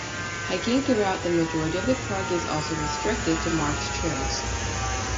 Hiking throughout the majority of the park is also restricted to marked trails.